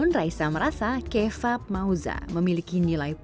kerja keras dong berarti ini timnya